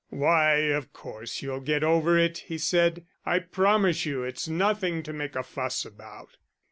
"Why, of course you'll get over it," he said. "I promise you it's nothing to make a fuss about."